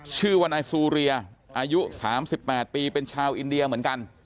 ชื่อว่านายซูเรียอายุ๓๘ปีเป็นชาวอินเดียเหมือนกัน